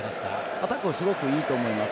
アタックはすごくいいと思います。